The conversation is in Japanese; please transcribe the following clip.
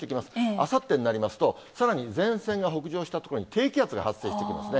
あさってになりますと、さらに前線が北上した所に、低気圧が発生してきますね。